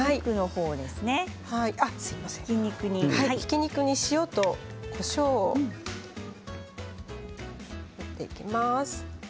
ひき肉に塩とこしょうをやっていきます。